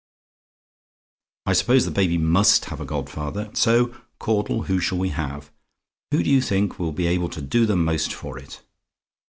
"I suppose the baby MUST have a godfather; and so, Caudle, who shall we have? Who do you think will be able to do the most for it?